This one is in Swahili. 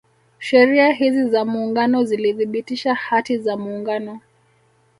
Sheria hizi za Muungano zilithibitisha Hati za Muungano